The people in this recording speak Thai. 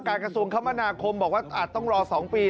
กระทรวงคมนาคมบอกว่าอาจต้องรอ๒ปี